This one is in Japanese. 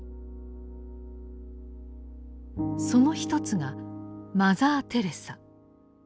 その一つがマザー・テレサ。